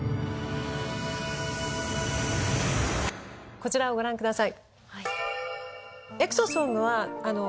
こちらをご覧ください。